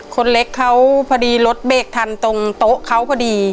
คนเล็กเขาพอดีรถเบรกทันตรงโต๊ะเขาพอดี